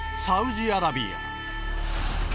サウジアラビア。